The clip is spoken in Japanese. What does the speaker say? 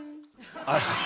あっ。